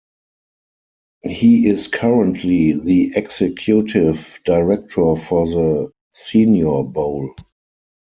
He is currently the executive director for the Senior Bowl.